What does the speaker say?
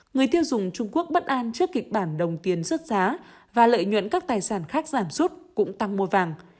người tiêu dùng trung quốc bất an trước kịch bản đồng tiền rớt giá và lợi nhuận các tài sản khác giảm sút cũng tăng mua vàng